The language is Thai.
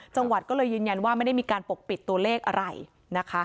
จังหวัดก็เลยยืนยันว่าไม่ได้มีการปกปิดตัวเลขอะไรนะคะ